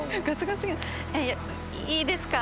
えっいいですか？